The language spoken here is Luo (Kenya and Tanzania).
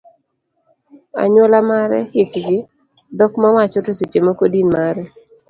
anyuola mare, hikgi, dhok mowacho, to seche moko din mare.